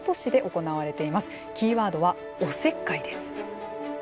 キーワードは“おせっかい”です。